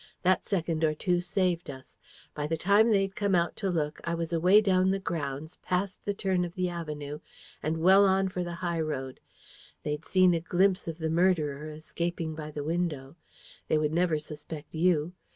That second or two saved us. By the time they'd come out to look, I was away down the grounds, past the turn of the avenue, and well on for the high road. They'd seen a glimpse of the murderer, escaping by the window. They would never suspect YOU.